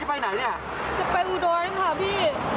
จะไปอูดรค่ะพี่